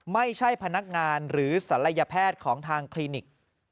ไม่ใช่พนักงานหรือศัลยแพทย์ของทางคลินิก